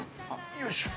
よいしょ。